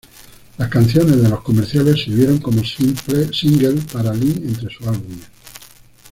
Las canciones de los comerciales sirvieron como singles para Lee entre sus álbumes.